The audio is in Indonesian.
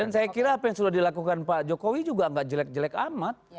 dan saya kira apa yang sudah dilakukan pak jokowi juga gak jelek jelek amat